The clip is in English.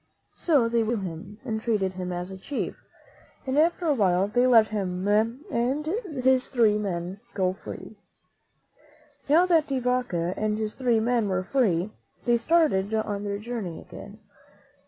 So they were good to him and treated him as a chief, and after a while they let him and his three men go free. Now that De Vaca and his three men were free, they started on their journey again.